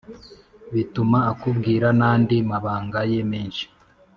bituma akubwira n’andi mabanga ye menshi